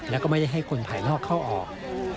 แล้วก็ไม่ได้ให้คนภายนอกเข้าออก